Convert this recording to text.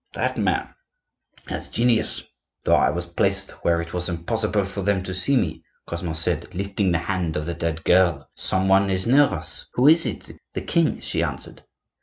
That man has genius.' Though I was placed where it was impossible for them to see me, Cosmo said, lifting the hand of the dead girl: 'Some one is near us! Who is it' 'The king,' she answered.